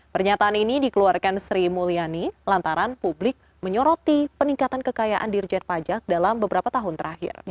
pernyataan ini dikeluarkan sri mulyani lantaran publik menyoroti peningkatan kekayaan dirjen pajak dalam beberapa tahun terakhir